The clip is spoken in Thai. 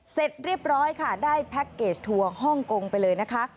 เสร็จเรียบร้อยค่ะได้แพ็คเกจทัวร์ฮ่องกงไปเลยนะคะ